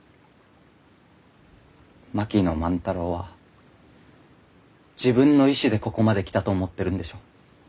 槙野万太郎は自分の意志でここまで来たと思ってるんでしょ？